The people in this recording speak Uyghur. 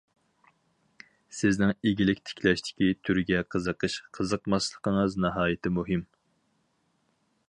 سىزنىڭ ئىگىلىك تىكلەشتىكى تۈرگە قىزىقىش قىزىقماسلىقىڭىز ناھايىتى مۇھىم!